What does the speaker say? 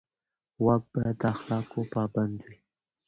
واک باید د اخلاقو پابند وي.